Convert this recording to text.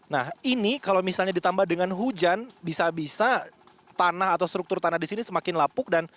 nah ini kalau misalnya ditambah dengan hujan bisa bisa tanah atau struktur tanah di sini semakin lapuk dan